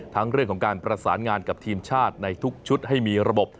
ทั้งเรื่องของการประสานงานกับทีมชาติในทุกชุดให้มีระบบ